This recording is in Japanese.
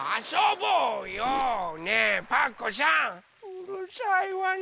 うるさいわね